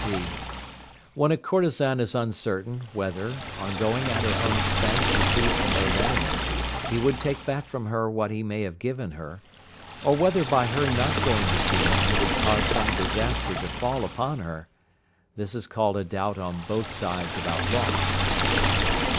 (d.) When a courtesan is uncertain, whether, on going at her own expense to see an old enemy, he would take back from her what he may have given her, or whether by her not going to see him he would cause some disaster to fall upon her, this is called a doubt on both sides about loss.